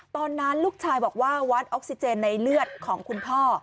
ตอนนั้นลูกชายบอกว่าวัดออกซิเจนในเลือดของคุณพ่อ